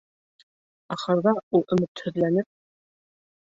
Ахырҙа ул, өмөтһөҙләнеп: